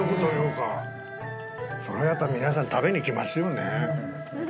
そりゃやっぱ皆さん食べに来ますよね。